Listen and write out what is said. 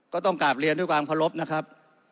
ก็ต้องกราบเรียนด้วยความพลบนะครับ